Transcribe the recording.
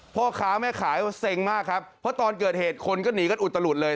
พ่อค้าแม่ขายเซ็งมากครับเพราะตอนเกิดเหตุคนก็หนีกันอุตลุดเลย